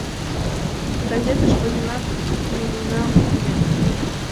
— Газетыш возенак, тунемынам вет.